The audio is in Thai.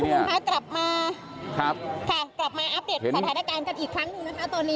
คุณสิริวัณครับคุณท่านผู้ชุมนุมครับกลับมาอัพเดทสถานการณ์กันอีกครั้งหนึ่งนะครับ